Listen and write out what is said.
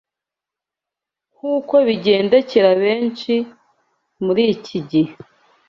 Nk’uko bigendekera benshi mur’iki gihe